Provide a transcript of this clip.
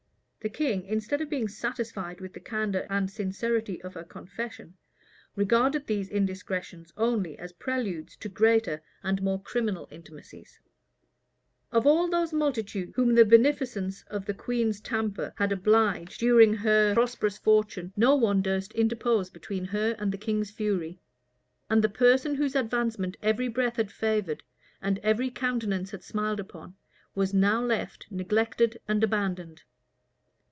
The king, instead of being satisfied with the candor and sincerity of her confession, regarded these indiscretions only as preludes to greater and more criminal intimacies. * Burnet, vol. i. p. 198. Strype, vol. i. p. 281. Of all those multitudes whom the beneficence of the queen's tamper had obliged during her prosperous fortune, no one durst interpose between her and the king's fury; and the person whose advancement every breath had favored, and every countenance had smiled upon, was now left neglected and abandoned.